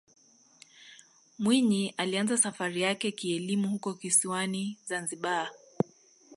mwinyi alianza safari yake kielimu huko kisiwani zanzibar